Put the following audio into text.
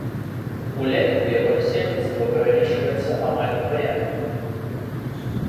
Улетку яго насельніцтва павялічваецца амаль удвая.